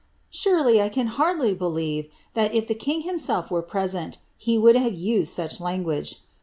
Surely, I caL dly believe that if the king himself were present, he would have id such language.